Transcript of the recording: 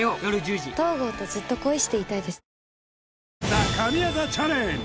ＴＨＥ神業チャレンジ